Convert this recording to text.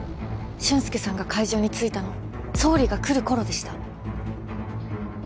俊介さんが会場に着いたの総理が来る頃でした。